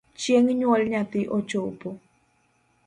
Chieng’ nyuol nyathi ochopo